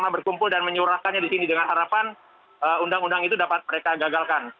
mereka berkumpul dan menyurahkannya di sini dengan harapan undang undang itu dapat mereka gagalkan